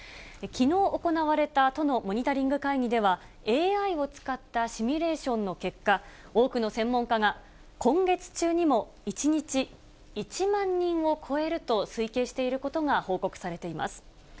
きのう行われた都のモニタリング会議では、ＡＩを使ったシミュレーションの結果、多くの専門家が、今月中にも１日１万人を超えると推計していることが報告されています。